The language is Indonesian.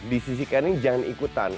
di sisi canning jangan ikutan